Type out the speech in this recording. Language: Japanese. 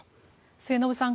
末延さん